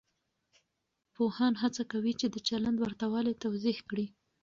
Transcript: پوهان هڅه کوي چې د چلند ورته والی توضیح کړي.